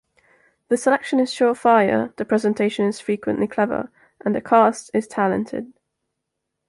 The selection is sure-fire, the presentation is frequently clever, and the cast is talented.